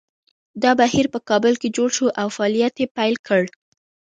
دا بهیر په کابل کې جوړ شو او فعالیت یې پیل کړ